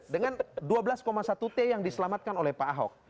dengan dua belas satu t yang diselamatkan oleh pak ahok